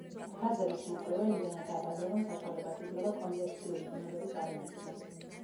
გაზების სიმკვრივე იმდენად დაბალია, რომ საშუალებას იძლევა კონვექციური დინებები წარმოიქმნას.